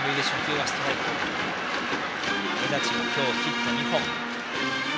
根立は今日ヒット２本。